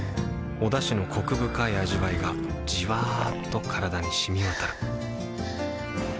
おだしのコク深い味わいがじわっと体に染み渡るはぁ。